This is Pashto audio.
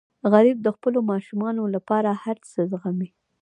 غریب د خپلو ماشومانو لپاره هر څه زغمي